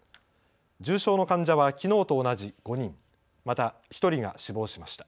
重症の患者はきのうと同じ５人、また１人が死亡しました。